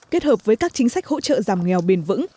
kết hợp với các chính sách hỗ trợ giảm nghèo bền vững